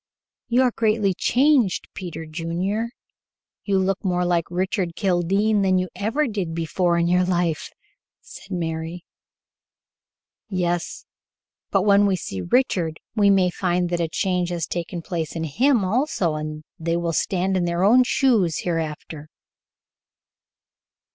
"You are greatly changed, Peter Junior. You look more like Richard Kildene than you ever did before in your life," said Mary. "Yes, but when we see Richard, we may find that a change has taken place in him also, and they will stand in their own shoes hereafter."